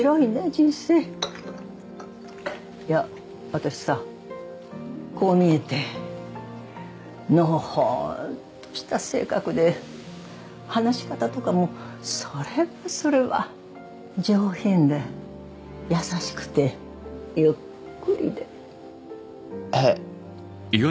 人生いや私さこう見えてのほほーんとした性格で話し方とかもそれはそれは上品で優しくてゆっくりでえっ？